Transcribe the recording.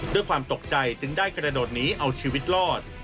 ด้วยความตกใจจึงได้กระโดดหนีเอาชีวิตรอด